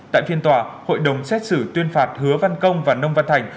tại phiên tòa hội đồng xét xử tuyên phạt hứa văn công và nông văn thành